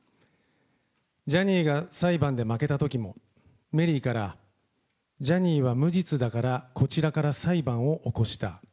ジャニーが裁判で負けたときも、メリーから、ジャニーは無実だから、こちらから裁判を起こした。